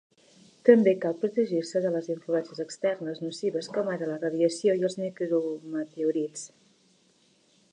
També cal protegir-se de les influències externes nocives com ara la radiació i els micrometeorits.